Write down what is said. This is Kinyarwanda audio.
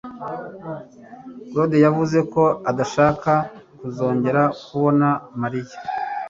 claude yavuze ko adashaka kuzongera kubona mariya